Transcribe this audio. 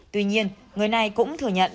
tuy nhiên người này cũng thừa nhận